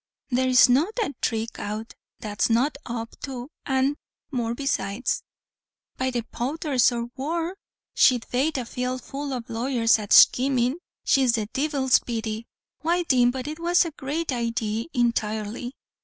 There's not a thrick out, that one's not up to, and more besides. By the powdhers o' war, she'd bate a field full o' lawyers at schkamin' she's the Divil's Biddy." "Why thin but it was a grate iday intirely."